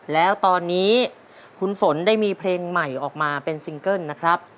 แล้วตอนนี้คุณฝนได้มีเพลงใหม่ออกมาเป็นซิงเกิ้ลนะครับ